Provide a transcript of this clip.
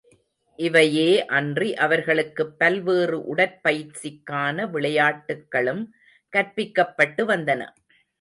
இவையே அன்றி அவர்களுக்குப் பல்வேறு உடற்பயிற்சிக்கான விளையாட்டுக்களும் கற்பிக்கப்பட்டு வந்தன.